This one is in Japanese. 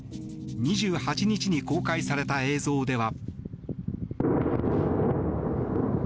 ２８日に公開された映像では。